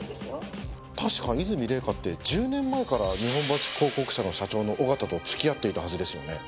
確か和泉礼香って１０年前から日本橋広告社の社長の小形と付き合っていたはずですよね。